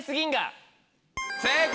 正解！